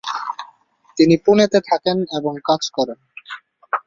তিনি পুনেতে থাকেন এবং কাজ করেন।